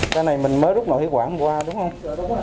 cái này mình mới rút vào huyết quản hôm qua đúng không